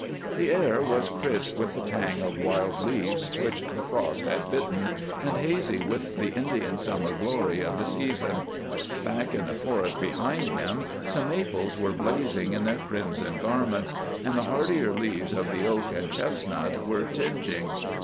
The air was crisp with the tang of wild leaves which the frost had bitten, and hazy with the Indian summer glory of the season. Back in the forest behind him some maples were blazing in their crimson garments, and the hardier leaves of the oak and chestnut were tingeing.